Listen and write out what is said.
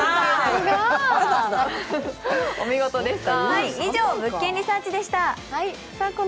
お見事でした。